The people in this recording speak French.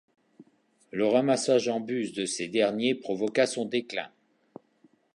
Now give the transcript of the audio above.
Le ramassage en bus de ces derniers provoquera son déclin.